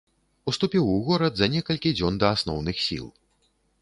Уступіў у горад за некалькі дзён да асноўных сіл.